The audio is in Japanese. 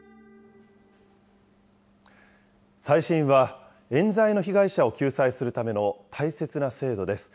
再審はえん罪の被害者を救済するための大切な制度です。